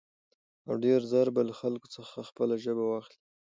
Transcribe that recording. او ډېر زر به له خلکو څخه خپله ژبه واخلي.